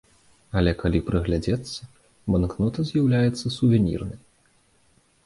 Але калі прыгледзецца, банкнота з'яўляецца сувенірнай.